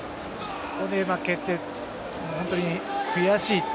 そこで負けて本当に悔しい。